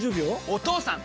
お義父さん！